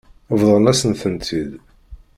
Bḍan-asent-ten-id.